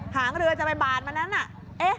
หางเรือจะไปบานมันอ่ะ